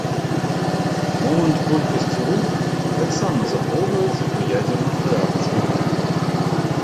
Момант колькасці руху таксама захоўваецца пры ядзерных рэакцыях.